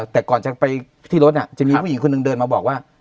แต่ก่อนจะไปที่รถจะมีผู้หญิงคนหนึ่งเดินมาบอกว่า